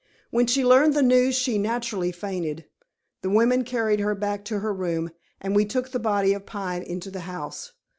When she learned the news she naturally fainted. The women carried her back to her room, and we took the body of Pine into the house.